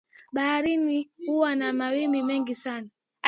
Baharini huwa na mawimbi mengi sana